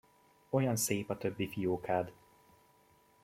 Olyan szép a többi fiókád!